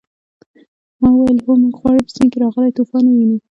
ما وویل هو موږ غواړو په سیند کې راغلی طوفان ووینو.